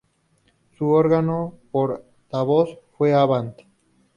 Su órgano portavoz fue "Avant".